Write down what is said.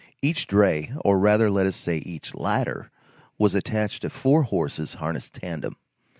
Each dray, or rather let us say, each ladder, was attached to four horses harnessed tandem.